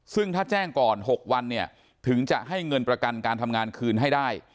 ซึ่งถ้าแจ้งก่อน๖วันเนี่ยถึงจะให้เงินประกันการทำงานคืนให้ได้